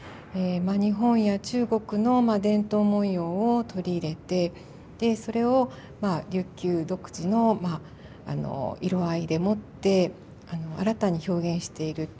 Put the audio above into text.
日本や中国の伝統文様を取り入れてでそれを琉球独自の色合いでもって新たに表現している。